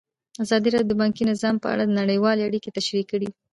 ازادي راډیو د بانکي نظام په اړه نړیوالې اړیکې تشریح کړي.